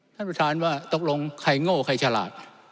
ท่านประธานว่าตกลงใครโง่ใครฉลาด